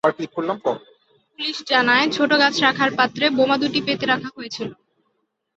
Police জানায়, ছোট গাছ রাখার পাত্রে বোমা দুটি পেতে রাখা হয়েছিল।